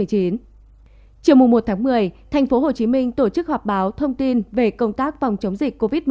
chiều một một mươi thành phố hồ chí minh tổ chức họp báo thông tin về công tác phòng chống dịch covid một mươi chín